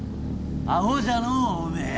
アホじゃのうおめえ。